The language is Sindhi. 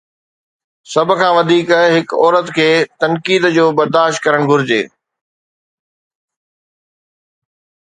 سڀ کان وڌيڪ، هڪ عورت کي تنقيد ڇو برداشت ڪرڻ گهرجي؟